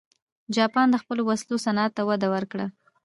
جاپان د خپلو وسلو صنعت ته وده ورکړه.